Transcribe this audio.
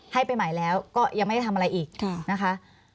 ให้ไปใหม่แล้วก็ยังไม่ได้ทำอะไรอีกนะคะ